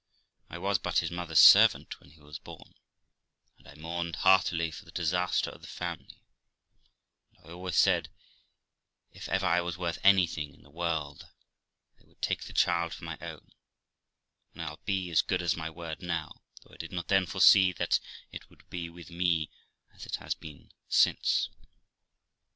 I was but his mother's servant when he was born, and I mourned heartily for the disaster of the family, and I always said, if ever I was worth anything in the world, I would take the child for my own, and I'll be as good as my word now, though I did not then foresee that it would be with me as it has been since.'